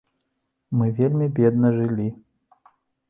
Мы вельмі бедна жылі.